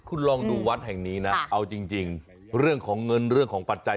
คุณลองดูวัดแห่งนี้นะเอาจริงเรื่องของเงินเรื่องของปัจจัย